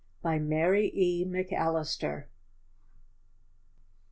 BY MARY E. McALLISTER.